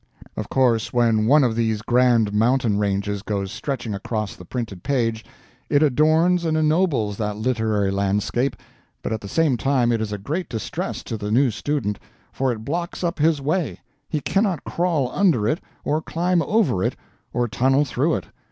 Of course when one of these grand mountain ranges goes stretching across the printed page, it adorns and ennobles that literary landscape but at the same time it is a great distress to the new student, for it blocks up his way; he cannot crawl under it, or climb over it, or tunnel through it.